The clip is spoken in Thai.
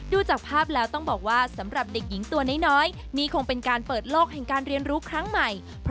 ดูจากภาพแล้วต้องบอกว่า